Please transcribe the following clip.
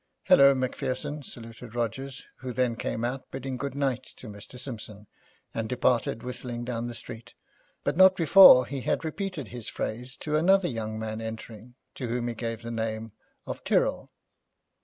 'Hallo, Macpherson,' saluted Rogers, who then came out, bidding good night to Mr. Simpson, and departed whistling down the street, but not before he had repeated his phrase to another young man entering, to whom he gave the name of Tyrrel.